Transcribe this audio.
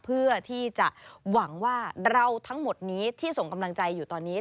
เพื่อที่จะหวังว่าเราทั้งหมดนี้ที่ส่งกำลังใจอยู่ตอนนี้